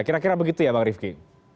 kira kira begitu ya bang rifki